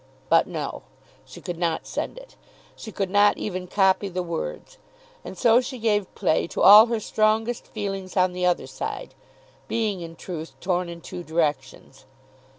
But no; she could not send it. She could not even copy the words. And so she gave play to all her strongest feelings on the other side, being in truth torn in two directions.